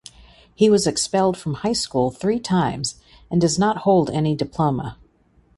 He was expelled from high school three times and does not hold any diploma.